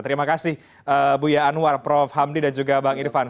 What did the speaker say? terima kasih buya anwar prof hamdi dan juga bang irfan